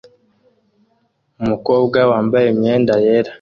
Umukobwa wambaye imyenda yera